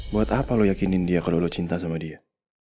buat apa lo yakinin dia kalau lo cinta sama dia